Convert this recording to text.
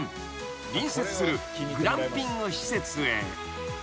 ［隣接するグランピング施設へ］